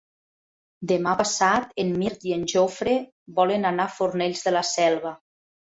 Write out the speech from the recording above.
Demà passat en Mirt i en Jofre volen anar a Fornells de la Selva.